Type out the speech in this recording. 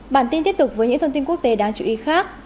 bản tin tiếp tục với những thông tin quốc tế đáng chú ý khác